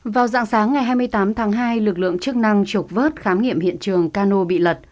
vào dạng sáng ngày hai mươi tám tháng hai lực lượng chức năng trục vớt khám nghiệm hiện trường cano bị lật